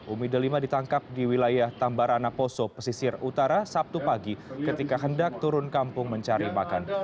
umi delima ditangkap di wilayah tambarana poso pesisir utara sabtu pagi ketika hendak turun kampung mencari makan